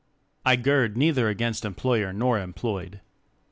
I gird neither against employer nor employed.